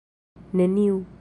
neniu